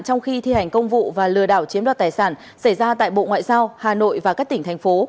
trong khi thi hành công vụ và lừa đảo chiếm đoạt tài sản xảy ra tại bộ ngoại giao hà nội và các tỉnh thành phố